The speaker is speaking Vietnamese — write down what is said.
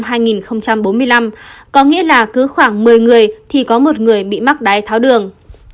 dự đoán con số này sẽ tăng lên sáu trăm bốn mươi ba triệu vào năm hai nghìn bốn mươi năm có nghĩa là cứ khoảng một mươi người thì có một người bị mắc đai tháo đường